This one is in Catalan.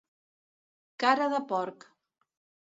Cara de porc.